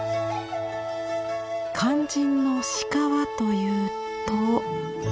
肝心の鹿はというと。